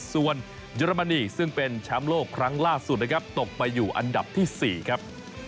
ส่วนเยอรมนีซึ่งเป็นแชมป์โลกครั้งล่าสุดนะครับตกไปอยู่อันดับที่๔ครับ